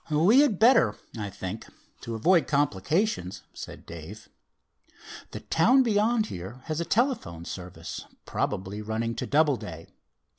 "We had better, I think, to avoid complications," said Dave. "The town beyond here has a telephone service probably, running to Doubleday.